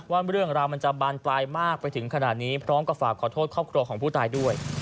ว่าเรื่องราวมันจะบานปลายมากไปถึงขนาดนี้พร้อมกับฝากขอโทษครอบครัวของผู้ตายด้วย